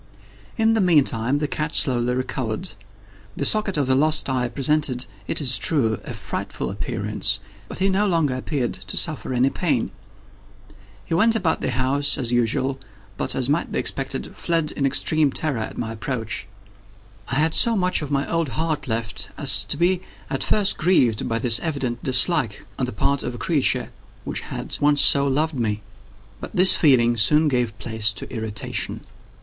In the meantime the cat slowly recovered. The socket of the lost eye presented, it is true, a frightful appearance, but he no longer appeared to suffer any pain. He went about the house as usual, but, as might be expected, fled in extreme terror at my approach. I had so much of my old heart left, as to be at first grieved by this evident dislike on the part of a creature which had once so loved me. But this feeling soon gave place to irritation.